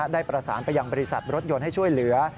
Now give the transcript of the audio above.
ได้ประสานไปยังบริษัทรถยนต์ให้ช่วยเหลือ